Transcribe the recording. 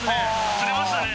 釣れましたね。